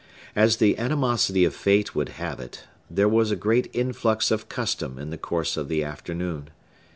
As the animosity of fate would have it, there was a great influx of custom in the course of the afternoon.